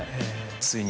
ついに。